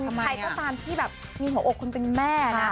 ใครก็ตามที่แบบมีหัวอกคนเป็นแม่นะ